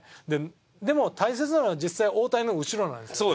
でも大切なのは実際大谷の後ろなんですよ。